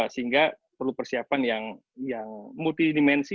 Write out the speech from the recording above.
sehingga perlu persiapan yang multidimensi